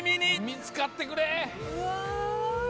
見つかってくれ！